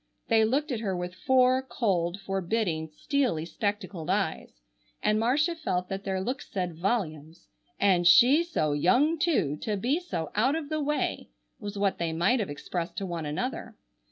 They looked at her with four cold, forbidding, steely, spectacled eyes, and Marcia felt that their looks said volumes: "And she so young too! To be so out of the way!" was what they might have expressed to one another.